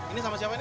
ini sama siapa ini